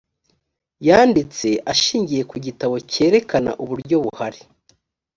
yanditse ashingiye ku gitabo cyerekana uburyo buhari